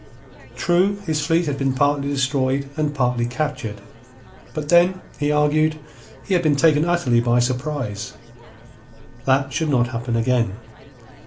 True, his fleet had been partly destroyed and partly captured. But then, he argued, he had been taken utterly by surprise. That should not happen again.